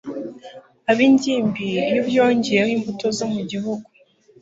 Ibingibi, iyo ubyongeyeho imbuto zo mu gihugu